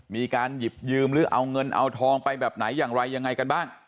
มีการหยิบยืมหรือเอาเงินเอาทองไปแบบไหนอย่างไรยังไงกันบ้าง